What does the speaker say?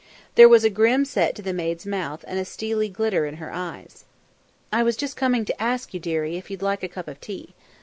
There was a grim set to the maid's mouth and a steely glitter in her eyes. "I was just coming to ask you, dearie, if you'd like a cup of tea.